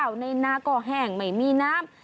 ในนาก็แห้งไม่มีน้ำ